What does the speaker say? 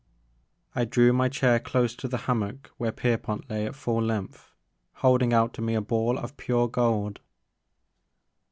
I drew my chair close to the hammock where Pierpont lay at full length, holding out to me a ball of pure gold.